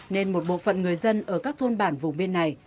nên một bộ phận người dân ở các thôn bản vùng bên này